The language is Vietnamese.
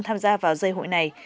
tham gia vào dây hội này